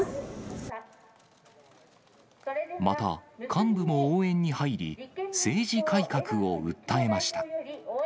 また、幹部も応援に入り、政治改革を訴えました。